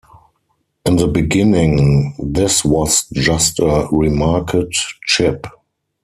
In the beginning, this was just a remarked chip.